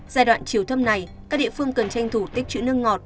giai đoạn chiều thấp này các địa phương cần tranh thủ tích chữ nương ngọt